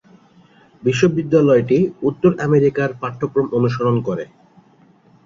বিশ্ববিদ্যালয়টি উত্তর আমেরিকার পাঠ্যক্রম অনুসরণ করে।